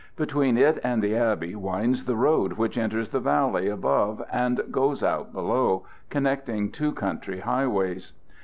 Between it and the abbey winds the road which enters the valley above and goes out below, connecting two country highways.